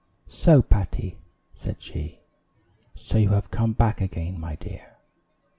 "So, Patty," said she, "so you have come back again, my dear?"